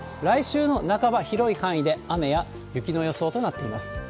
来週の半ば、広い範囲で雨や雪の予想となっています。